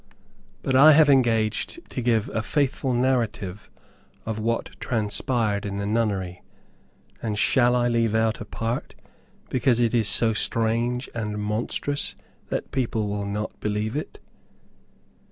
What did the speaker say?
But I have engaged to give a faithful narrative of what transpired in the nunnery; and shall I leave out a part because it is so strange and monstrous, that people will not believe it?